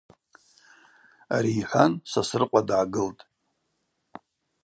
Ари йхӏван Сосрыкъва дгӏагылтӏ.